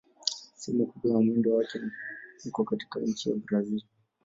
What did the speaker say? Sehemu kubwa ya mwendo wake iko katika nchi ya Brazil.